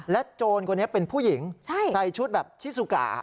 โจรคนนี้เป็นผู้หญิงใส่ชุดแบบชิสุก่า